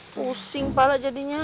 pusing pala jadinya